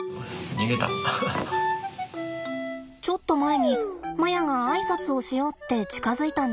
ちょっと前にマヤが挨拶をしようって近づいたんですって。